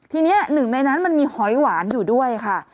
ทีนี้หนึ่งในนั้นมันมีหอยหวานอยู่ด้วยค่ะ